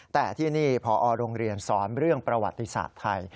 แต่ที่นี่พอโรงเรียนสอนเรื่องประวัติศาสตร์ไทย